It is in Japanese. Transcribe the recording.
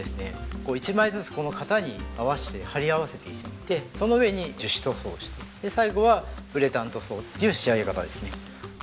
こう１枚ずつこの型に合わせて貼り合わせていってその上に樹脂塗装して最後はウレタン塗装っていう仕上げ方ですね。